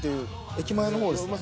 駅前の方ですね。